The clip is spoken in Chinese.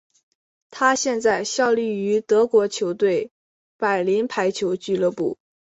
他现在效力于德国球队柏林排球俱乐部。